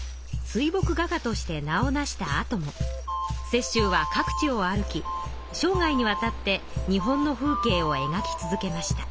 水墨画家として名を成したあとも雪舟は各地を歩き生涯にわたって日本の風景を描き続けました。